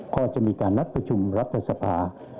ก็จะมีการนัดประชุมรัฐสภา